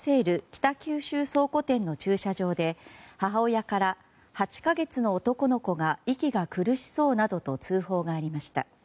北九州倉庫店の駐車場で母親から８か月の男の子が息が苦しそうなどと通報がありました。